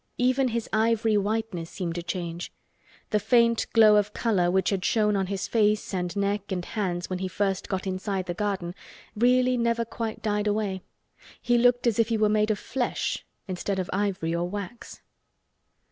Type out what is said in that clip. Even his ivory whiteness seemed to change. The faint glow of color which had shown on his face and neck and hands when he first got inside the garden really never quite died away. He looked as if he were made of flesh instead of ivory or wax.